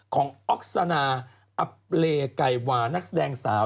ออกสนาอับเลไก่วานักแสดงสาว